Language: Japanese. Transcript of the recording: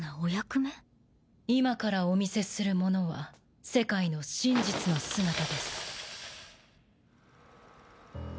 今からお見せするものは世界の真実の姿です。